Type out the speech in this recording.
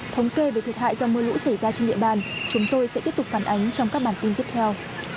thống kê về thiệt hại do mưa lũ xảy ra trên địa bàn chúng tôi sẽ tiếp tục phản ánh trong các bản tin tiếp theo